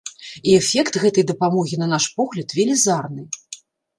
І эфект гэтай дапамогі, на наш погляд, велізарны.